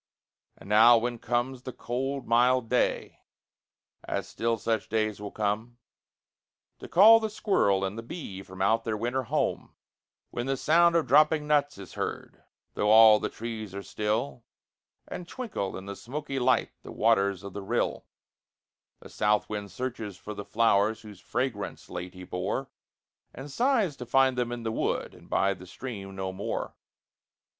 And now, when comes the calm mild day, as still such days will come, To call the squirrel and the bee from out their winter home; When the sound of dropping nuts is heard, though all the trees are still, And twinkle in the smoky light the waters of the rill, The south wind searches for the flowers whose fragrance late he bore, And sighs to find them in the wood and by the stream no more.